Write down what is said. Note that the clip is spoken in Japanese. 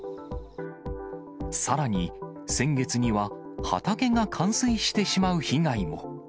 さらに先月には畑が冠水してしまう被害も。